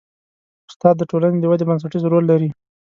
استاد د ټولنې د ودې بنسټیز رول لري.